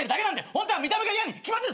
ホントは見た目が嫌に決まってる！